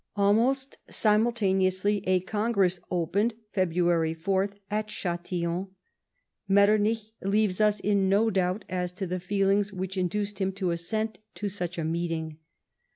Almost simultaneously a Congress opened (February 4) at Chatillon, Metternich leaves us in no doubt as to the feelings which induced him to assent to such a meeting.